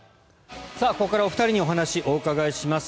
ここからお二人にお話をお伺いします。